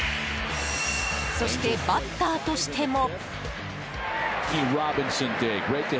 そして、バッターとしても。